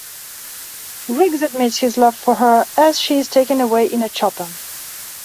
Riggs admits his love for her as she is taken away in a chopper.